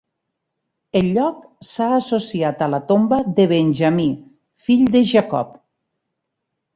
El lloc s'ha associat a la tomba de Benjamí, fill de Jacob.